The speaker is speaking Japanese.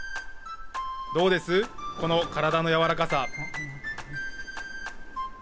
どうです、この体のやわらかさ。